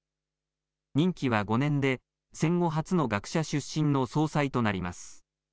任期は５年で戦後初の学者出身の総裁となります。